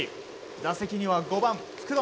打席には５番、福留。